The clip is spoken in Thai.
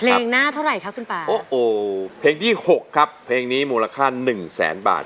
เพลงหน้าเท่าไหร่ครับคุณป่าโอ้โหเพลงที่หกครับเพลงนี้มูลค่าหนึ่งแสนบาท